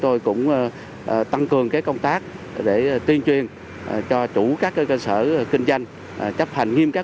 tôi cũng tăng cường công tác để tuyên truyền cho chủ các cơ sở kinh doanh chấp hành nghiêm các